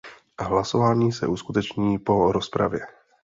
Hlasování se uskuteční po rozpravě.